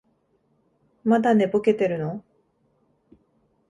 まだ寝ぼけてるの？